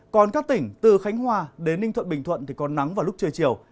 còn các tỉnh từ khánh hòa đến ninh thuận bình thuận thì có nắng vào lúc trưa chiều